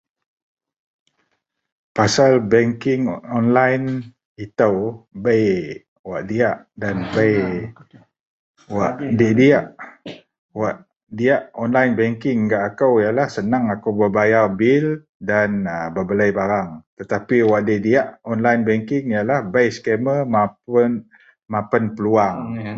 pasal banking online itou bei wak diak dan bei wak da diak, wak diak online banking gak kou ialah senang akou bak bayar bil dan bebelei barang, tapi wak da pasal online banking da diak ialah bei scammer mapun mapen peluang